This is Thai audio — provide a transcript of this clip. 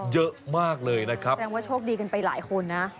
แสดงว่าโชคดีกันไปหลายคนนะ